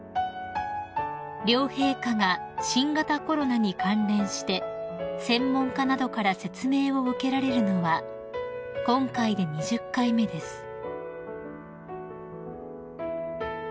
［両陛下が新型コロナに関連して専門家などから説明を受けられるのは今回で２０回目です］